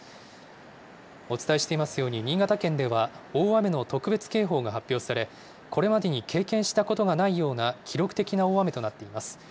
お伝えしていますように、新潟県では、大雨の特別警報が発表され、これまでに経験したことがないような記録的な大雨となっています。